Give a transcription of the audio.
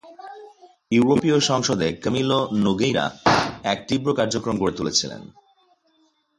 ইউরোপীয় সংসদে কামিলো নোগেইরা এক তীব্র কার্যক্রম গড়ে তুলেছিলেন।